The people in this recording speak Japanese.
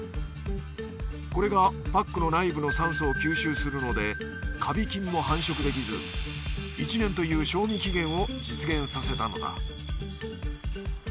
これがパックの内部の酸素を吸収するのでカビ菌も繁殖できず１年という賞味期限を実現させたのだ。